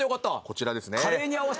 こちらですね。